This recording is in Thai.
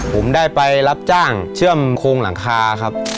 ผมได้ไปรับจ้างเชื่อมโครงหลังคาครับ